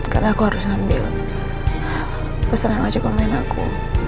karena aku harus ambil pesan ojk online aku